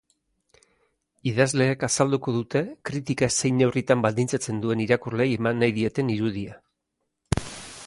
Idazleek azalduko dute kritikak zein neurritan baldintzatzen duen irakurleei eman nahi dieten irudia.